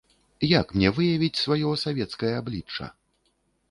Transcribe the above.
Як мне выявіць сваё савецкае аблічча?